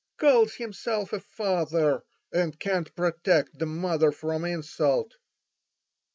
"Calls himself a father, and can't protect the mother from insult!"